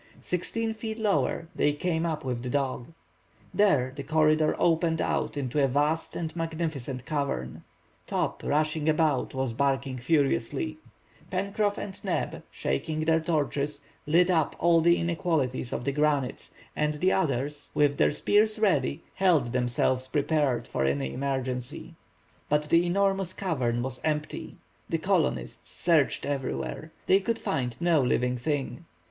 Sixteen feet lower they came up with the dog. There, the corridor opened out into a vast and magnificent cavern. Top, rushing about, was barking furiously. Pencroff and Neb, shaking their torches, lit up all the inequalities of the granite, and the others, with their spears ready, held themselves prepared for any emergency. But the enormous cavern was empty. The colonists searched everywhere; they could find no living thing.